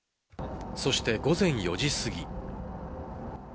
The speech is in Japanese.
そして午前４時過ぎ。